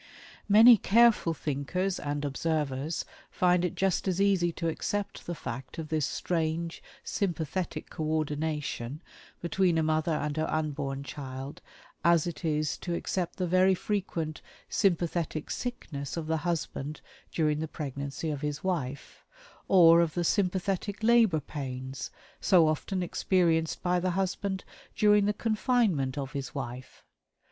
Many careful thinkers (and observers) find it just as easy to accept the fact of this strange "sympathetic co ordination" between a mother and her unborn child as it is to accept the very frequent "sympathetic sickness" of the husband during the pregnancy of his wife or of the "sympathetic labor pains" so often experienced by the husband during the confinement of his wife.